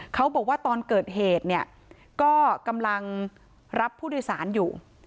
เขาบอกว่าตอนเกิดเหตุเนี่ยก็กำลังรับผู้โดยสารอยู่